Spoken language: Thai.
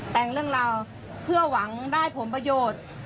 แต่งเรื่องราวเพื่อหวังได้ผลประโยชน์